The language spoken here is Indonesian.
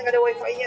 nggak ada wifi nya